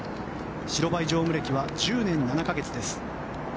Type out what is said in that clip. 白バイ乗務歴は１０年７か月です。